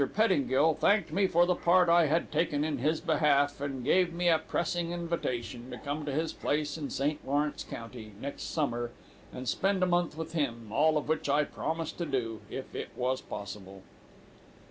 Pettingill thanked me for the part I had taken in his behalf, and gave me a pressing invitation to come to his place in St. Lawrence county, next summer, and spend a month with him, all of which I promised to do, if it was possible."